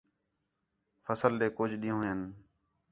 فصل ݙے کُج ݙِین٘ہوں ہین